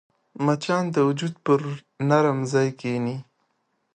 مچان د وجود پر نرم ځای کښېني